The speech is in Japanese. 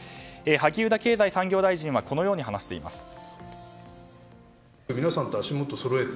萩生田経済産業大臣はこのように話しています。